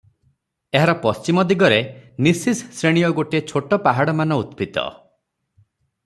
ଏହାର ପଶ୍ଚିମଦିଗରେ ନିସିସ୍ ଶ୍ରେଣୀୟ ଛୋଟ ଛୋଟ ପାହାଡମାନ ଉତ୍ପିତ